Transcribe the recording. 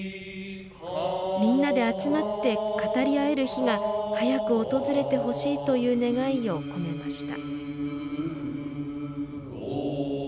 みんなで集まって語り合える日が早く訪れてほしいという願いを込めました。